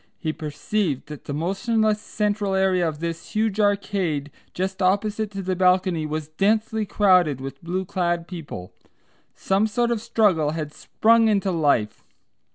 He perceived that the motionless central area of this huge arcade just opposite to the balcony was densely crowded with blue clad people. Some sort of struggle had sprung into life.